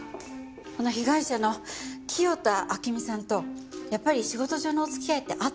この被害者の清田暁美さんとやっぱり仕事上のお付き合いってあったんじゃないんですか？